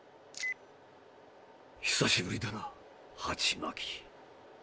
久しぶりだなハチマキ。